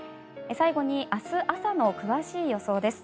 最後に明日朝の詳しい予想です。